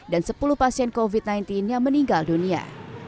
dan sepuluh pasien covid sembilan belas yang meninggal dunia